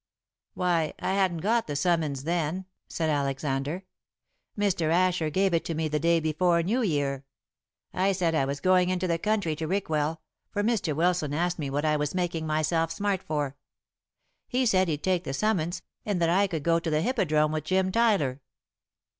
"Why, I hadn't got the summons then," said Alexander. "Mr. Asher gave it to me the day before New Year. I said I was going into the country to Rickwell, for Mr. Wilson asked me what I was making myself smart for. He said he'd take the summons, and that I could go to the Hippodrome with Jim Tyler."